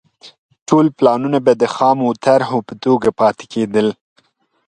ټول پلانونه به د خامو طرحو په توګه پاتې کېدل